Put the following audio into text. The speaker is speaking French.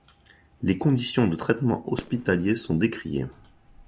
Les conditions de traitements hospitaliers sont décriées.